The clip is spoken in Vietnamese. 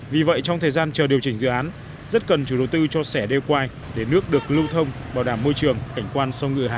vì vậy trong thời gian chờ điều chỉnh dự án rất cần chủ đầu tư cho sẻ đeo quai để nước được lưu thông bảo đảm môi trường cảnh quan sông ngựa hà